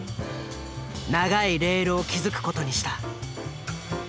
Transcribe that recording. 長いレールを築く事にした。